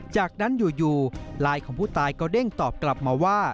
จากนั้นอยู่ลายของผู้ตายก็เด้งตอบกลับมาว่า